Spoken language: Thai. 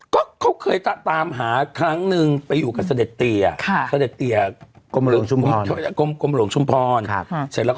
ก็เขาเคยตาตามหาครั้งหนึงไปอยู่กับสด็อธิเกษฐีค่ะสด็อธิเกษฐี